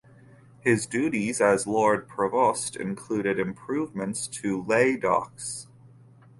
His duties as Lord Provost included improvements to Leith Docks.